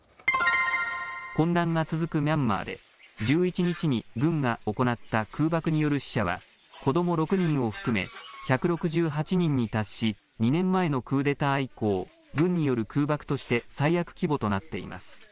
混乱が続くミャンマーで１１日に軍が行った空爆による死者は子ども６人を含め１６８人に達し２年前のクーデター以降、軍による空爆として最悪規模となっています。